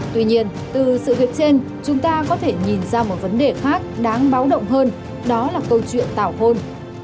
tuy nhiên từ sự việc trên chúng ta có thể nhìn ra một vấn đề khác đáng báo động hơn đó là câu chuyện tảo hôn